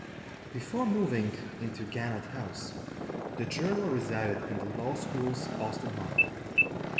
Before moving into Gannett House, the journal resided in the Law School's Austin Hall.